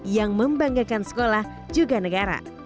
yang membanggakan sekolah juga negara